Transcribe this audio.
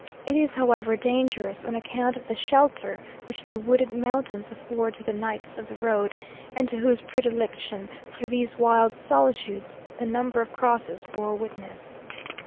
It is, however, dangerous, on account of the shelter which the wooded mountains afford to the knights of the road, and to whose predilection for these wild solitudes, the number of crosses bore witness.